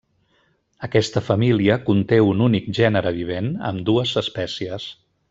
Aquesta família conté un únic gènere vivent, amb dues espècies.